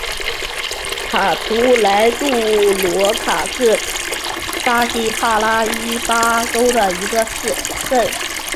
卡图莱杜罗卡是巴西帕拉伊巴州的一个市镇。